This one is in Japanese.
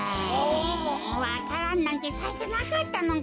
わか蘭なんてさいてなかったのか。